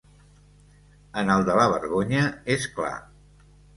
En el de la vergonya, és clar.